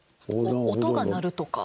音が鳴るとか？